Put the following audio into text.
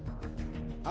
あっ